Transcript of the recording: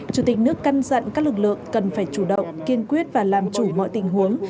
chủ tịch nước căn dặn các lực lượng cần phải chủ động kiên quyết và làm chủ mọi tình huống